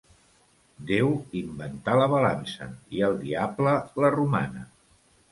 Déu inventà la balança i el diable la romana.